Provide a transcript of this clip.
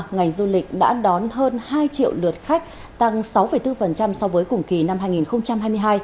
ngành du lịch đã đón hơn hai triệu lượt khách tăng sáu bốn so với cùng kỳ năm hai nghìn hai mươi hai